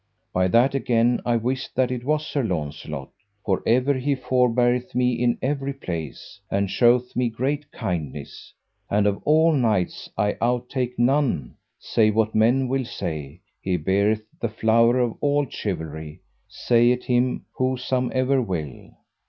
By that again I wist that it was Sir Launcelot, for ever he forbeareth me in every place, and showeth me great kindness; and of all knights, I out take none, say what men will say, he beareth the flower of all chivalry, say it him whosomever will.